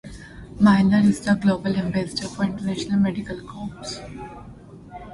Miller is the Global Ambassador for International Medical Corps.